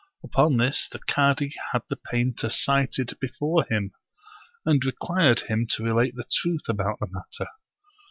Upon this the cadi had the painter cited before him, and required him to relate the truth about the matter.